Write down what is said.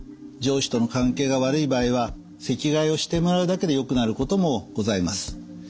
上司との関係が悪い場合は席替えをしてもらうだけでよくなることもございます。